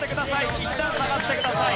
１段下がってください